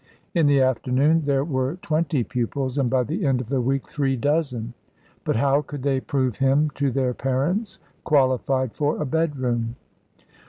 In the afternoon there were twenty pupils, and by the end of the week three dozen. But how could they prove him to their parents qualified for a bedroom?